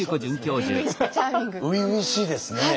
初々しいですね！